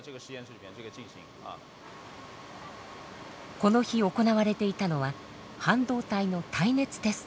この日行われていたのは半導体の耐熱テスト。